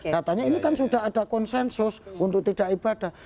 katanya ini kan sudah ada konsensus untuk tidak ibadah